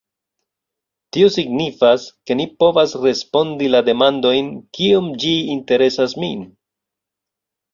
Tio signifas, ke ni povas respondi la demandojn: "Kiom ĝi interesas min?